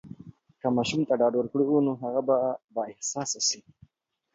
که ماشوم ته ډاډ ورکړو، نو هغه به بااحساسه سي.